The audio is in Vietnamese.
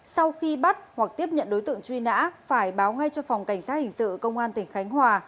sau khi bắt hoặc tiếp nhận đối tượng truy nã phải báo ngay cho phòng cảnh sát hình sự công an tỉnh khánh hòa